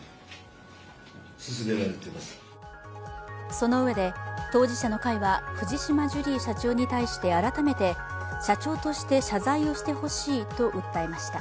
そのうえで当事者の会は、藤島ジュリー社長に対して改めて、社長として謝罪をしてほしいと訴えました。